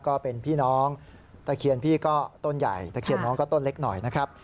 ก็เป็นพี่น้องตะเคียนพี่ก็ต้นใหญ่ตะเคียนน้องก็ต้นเล็กหน่อยนะครับ